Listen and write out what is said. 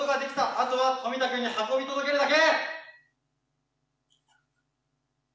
あとは冨田君に運び届けるだけ！